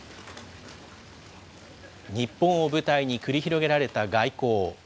日本を舞台に繰り広げられた外交。